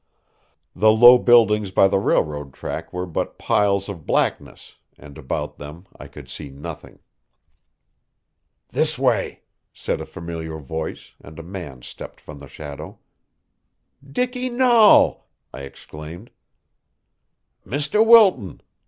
The low buildings by the railroad track were but piles of blackness, and about them I could see nothing. "This way," said a familiar voice, and a man stepped from the shadow. "Dicky Nahl!" I exclaimed. "Mr. Wilton!"